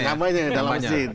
kampanye dalam masjid